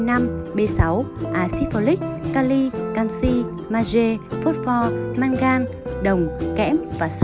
acid folic cali canxi maggi phosphor mangan đồng kẽm